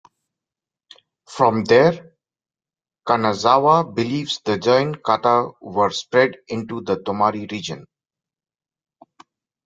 From there, Kanazawa believes the Jion kata were spread into the Tomari region.